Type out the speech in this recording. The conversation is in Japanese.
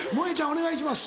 お願いします。